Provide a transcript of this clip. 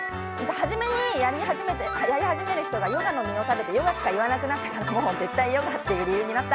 初めにやり始める人がヨガの実を食べて、ヨガしか言わなくなったから、絶対ヨガっていう理由になった。